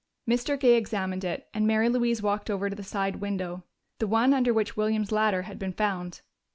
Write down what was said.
Mr. Gay examined it, and Mary Louise walked over to the side window the one under which William's ladder had been found.